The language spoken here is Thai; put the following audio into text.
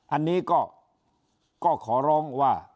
อันนี้ก็ขอร้องว่า